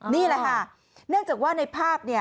นี่แหละฮะเนื่องจากว่าในภาพ